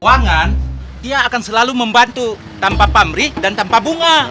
keuangan dia akan selalu membantu tanpa pamrik dan tanpa bunga